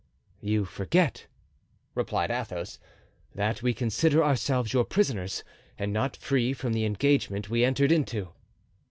"You forget," replied Athos, "that we consider ourselves your prisoners and not free from the engagement we entered into."